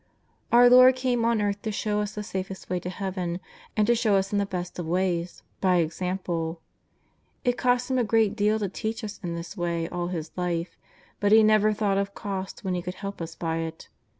Our Lord came on earth to show us the safest way to heaven, and to show us in the best of ways, by example. It cost Him a great tleal to teach us in this way all His ♦ Luke ii. 70 JESUS OF NAZARETH. life, but He never thouglit of cost when He could help us by it.